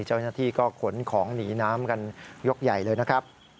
เจ้าหน้าที่ก็ขนของหนีน้ำกันยกใหญ่เลยนะครับ